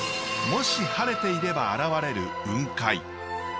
もし晴れていれば現れる雲海。